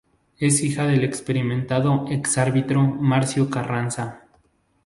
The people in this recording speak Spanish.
Es hija del experimentado ex árbitro Marcio Carranza.